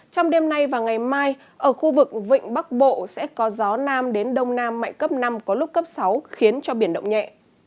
trong đêm nay và ngày mai ở khu vực vịnh bắc bộ sẽ có gió nam đến đông nam mạnh cấp năm có lúc cấp sáu khiến cho biển động nhẹ